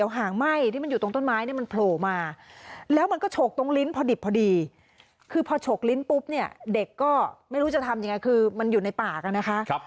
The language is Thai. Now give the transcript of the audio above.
หางไหม้ที่มันอยู่ตรงต้นไม้เนี่ยมันโผล่มาแล้วมันก็ฉกตรงลิ้นพอดิบพอดีคือพอฉกลิ้นปุ๊บเนี่ยเด็กก็ไม่รู้จะทำยังไงคือมันอยู่ในปากนะคะ